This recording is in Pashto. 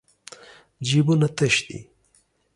جېبونه تش دي.